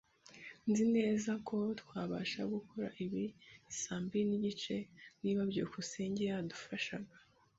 Nzi neza ko twabasha gukora ibi saa mbiri nigice niba byukusenge yadufashaga.